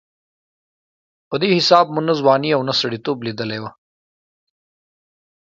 په دې حساب مو نه ځواني او نه سړېتوب لېدلې وه.